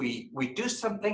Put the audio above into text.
dan tidak berhasil